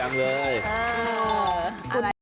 เย้ขึ้นมาให้โทษลาดดีจังเลย